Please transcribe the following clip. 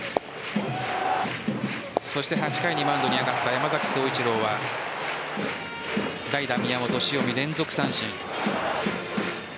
そして８回にマウンドに上がった山崎颯一郎は代打・宮本、塩見、連続三振。